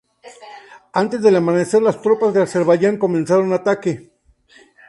Antes del amanecer las tropas de Azerbaiyán comenzaron ataque.